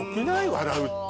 笑うって。